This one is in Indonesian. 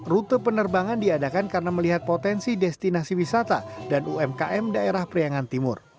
rute penerbangan diadakan karena melihat potensi destinasi wisata dan umkm daerah priangan timur